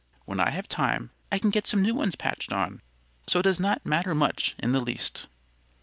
When I have time I can get some new ones patched on; so it does not matter much in the least."